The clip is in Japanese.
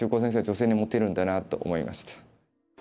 女性にモテるんだなと思いました。